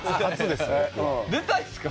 出たいですか？